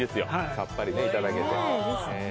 さっぱりいただけて。